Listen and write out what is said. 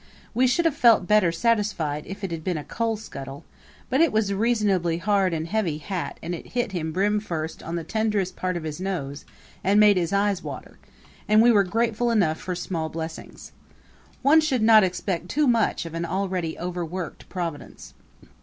We should have felt better satisfied if it had been a coal scuttle; but it was a reasonably hard and heavy hat and it hit him brim first on the tenderest part of his nose and made his eyes water, and we were grateful enough for small blessings. One should not expect too much of an already overworked Providence.